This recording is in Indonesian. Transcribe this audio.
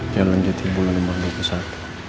jalan jatimbulu lembang bukusan